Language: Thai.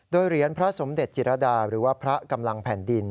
โดยเหรียญพระสมเด็จจิรดาหรือว่าพระกำลังแผ่นดิน